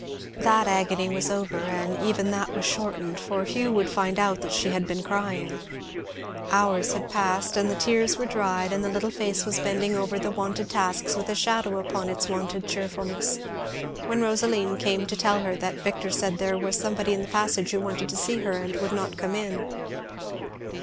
That agony was over, and even that was shortened, for "Hugh would find out that she had been crying." Hours had passed, and the tears were dried, and the little face was bending over the wonted tasks with a shadow upon its wonted cheerfulness, when Rosaline came to tell her that Victor said there was somebody in the passage who wanted to see her and would not come in.